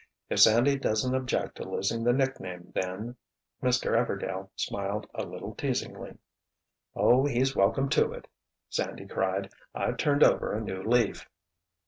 "If Sandy doesn't object to losing the nickname, then—" Mr. Everdail smiled a little teasingly. "Oh, he's welcome to it," Sandy cried. "I've turned over a new leaf!"